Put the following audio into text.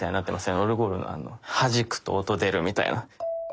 オルゴールのはじくと音出るみたいな。